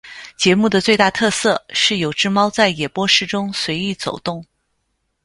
节目的最大特色是有只猫在演播室中随意走动。